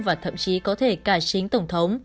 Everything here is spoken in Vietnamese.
và thậm chí có thể cả chính tổng thống